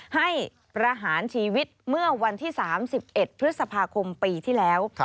ให้ประหารชีวิตเมื่อวันที่๓๑พฤษภาคมปีที่แล้ว